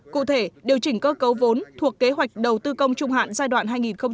cụ thể điều chỉnh cơ cấu vốn thuộc kế hoạch đầu tư công trung hạn giai đoạn hai nghìn một mươi sáu hai nghìn hai mươi